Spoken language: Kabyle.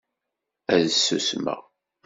Ad susmeɣ.